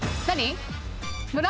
何？